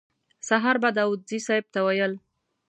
سهار به داوودزي صیب ته ویل.